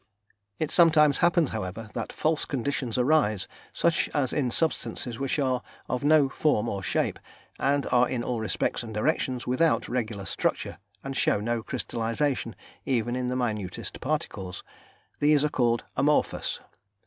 It sometimes happens, however, that false conditions arise, such as in substances which are of no form or shape, and are in all respects and directions without regular structure and show no crystallisation even in the minutest particles; these are called amorphous.